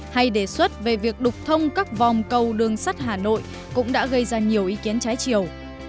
hay đề xuất về việc đục thông các vòng cầu đường sắt hà nội cũng đã gây ra nhiều ý kiến trái chiều